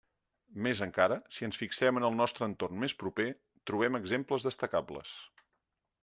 Més encara, si ens fixem en el nostre entorn més proper, trobem exemples destacables.